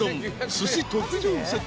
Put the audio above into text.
寿司特上セット］